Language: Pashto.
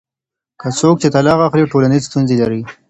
هغه څوک چې طلاق اخلي ټولنیزې ستونزې لري.